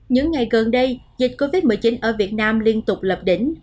những ngày gần đây dịch covid một mươi chín ở việt nam liên tục lập đỉnh